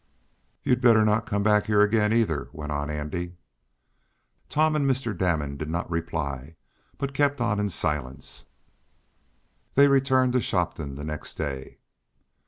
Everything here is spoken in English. "You'd better not come back here again, either," went on Andy. Tom and Mr. Damon did not reply, but kept on in silence. They returned to Shopton the next day.